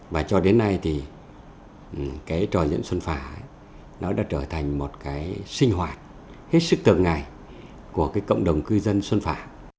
và cho đến nay thì cái trò diễn xuân phả nó đã trở thành một cái sinh hoạt hết sức tượng ngày của cái cộng đồng cư dân xuân phả